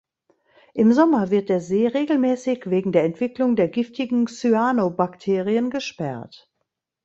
Im Sommer wird der See regelmäßig wegen der Entwicklung der giftigen Cyanobakterien gesperrt.